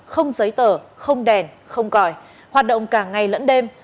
không giấy tờ không đèn không còi hoạt động cả ngày lẫn đêm